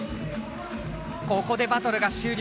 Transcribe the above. ここでバトルが終了。